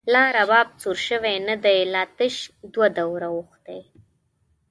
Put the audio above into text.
لا رباب سور شوی نه دی، لا تش دوه دوره او ښتی